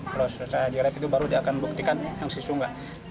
kalau susah di lab itu baru dia akan buktikan yang sesungguhnya